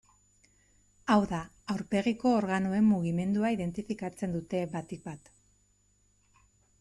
Hau da, aurpegiko organoen mugimendua identifikatzen dute batik bat.